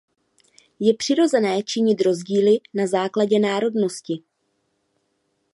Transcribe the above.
Je přirozené činit rozdíly na základě národnosti.